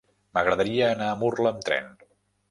M'agradaria anar a Murla amb tren.